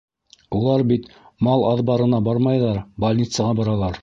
Улар бит мал аҙбарына бармайҙар, больницаға баралар.